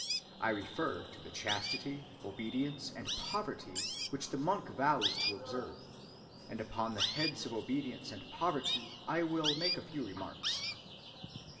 I refer to the chastity, obedience, and poverty which the monk vows to observe; and upon the heads of obedience and poverty I will make a few remarks.